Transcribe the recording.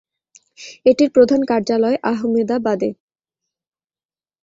এটির প্রধান কার্যালয় আহমেদাবাদে।